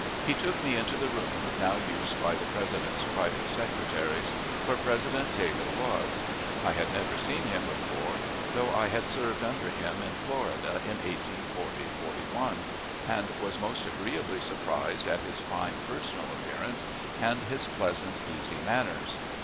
He took me into the room, now used by the President's private secretaries, where President Taylor was. I had never seen him before, though I had served under him in Florida in 1840 '41, and was most agreeably surprised at his fine personal appearance, and his pleasant, easy manners.